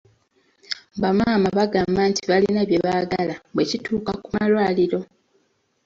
Bamaama bagamba nti balina bye baagala bwe kituuka ku malwaliro.